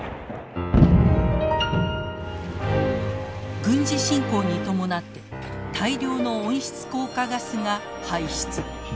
軍事侵攻に伴って大量の温室効果ガスが排出。